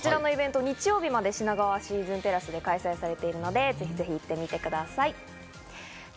気になった方、こちらのイベントは日曜日まで品川シーズンテラスで開催されているので、ぜひぜひ行ってみてください。